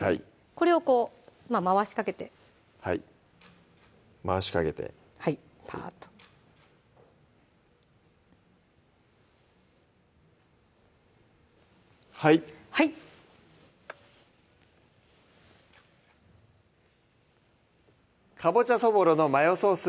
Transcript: これをこう回しかけてはい回しかけてはいパーッとはいはい「かぼちゃそぼろのマヨソース」